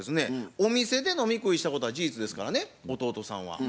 お店で飲み食いしたことは事実ですからね弟さんは。